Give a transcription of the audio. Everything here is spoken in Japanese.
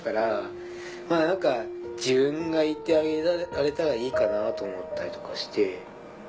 自分がいてあげられたらいいかなと思ったりとかして。